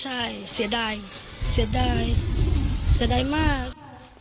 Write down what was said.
ใช่เสียดายเสียดายเสียดายมาก